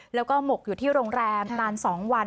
แล้วก็หมกอยู่ที่โรงแรมนาน๒วัน